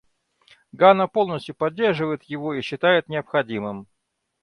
Гана полностью поддерживает его и считает необходимым.